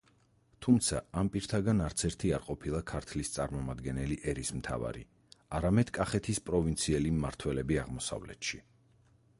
თუმცა, ამ პირთაგან არცერთი არ ყოფილა ქართლის წარმომადგენელი ერისმთავარი, არამედ კახეთის პროვინციელი მმართველები აღმოსავლეთში.